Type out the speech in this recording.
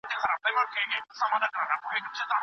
که انټرنیټي اسانتیا وي نو راتلونکی نه خرابیږي.